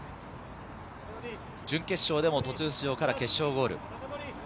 準決勝でも途中出場から決勝ゴール。